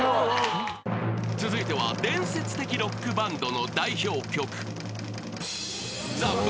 ［続いては伝説的ロックバンドの代表曲］